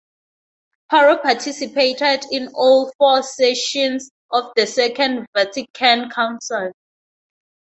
Paro participated in all four sessions of the Second Vatican Council.